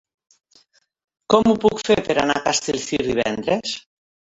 Com ho puc fer per anar a Castellcir divendres?